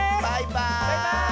バイバーイ！